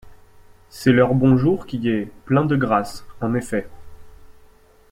C’est leur bonjour, qui est « plein de grâce » en effet.